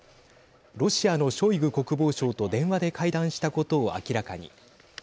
ロシアのショイグ国防相と電話で会談したことを明らかに。